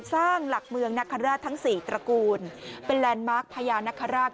สร้างหลักเมืองนคราชทั้ง๔ตระกูลเป็นแลนด์มาร์คพญานคราช